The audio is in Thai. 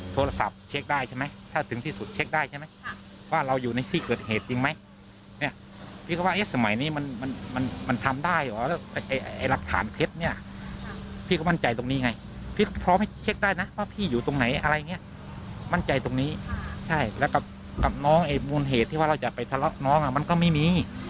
แต่กับน้องมูลเหตุที่ว่าเราจะไปทะเลาะน้องมันก็ไม่มี